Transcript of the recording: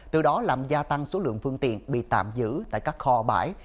từ đó làm gia tăng số lượng phương tiện bị tạm giữ tại các kho bãi